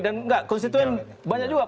dan enggak konstituen banyak juga